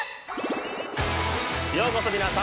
ようこそ皆さん。